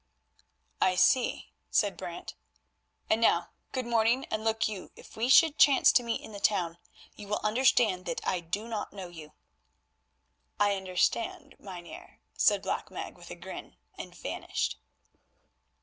"I see," said Brant, "and now good morning, and look you, if we should chance to meet in the town, you will understand that I do not know you." "I understand, Mynheer," said Black Meg with a grin and vanished.